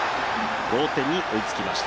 同点に追いつきました。